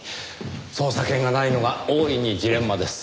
捜査権がないのが大いにジレンマです。